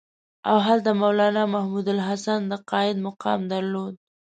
او هلته مولنا محمودالحسن د قاید مقام درلود.